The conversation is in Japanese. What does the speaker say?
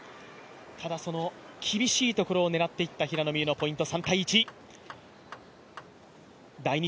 ただ、その厳しいところを狙っていった平野美宇のポイント。